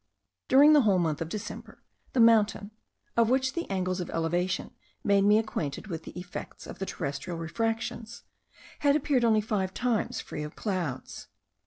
During the whole month of December, the mountain (of which the angles of elevation made me acquainted with the effects of the terrestrial refractions) had appeared only five times free of clouds.